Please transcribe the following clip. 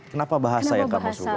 kenapa bahasa yang kamu suka